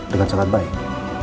dengan sangat baik